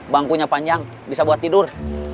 bangkunya panjang bisa buat tidur